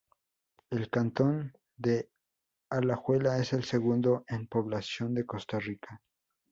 El cantón de Alajuela es el segundo en población de Costa Rica.